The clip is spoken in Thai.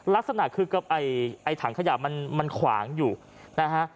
ลักษณะคือกับไอ้ถังขยะมันขวางอยู่นะฮะ